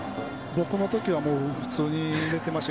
僕の時は普通に入れていました。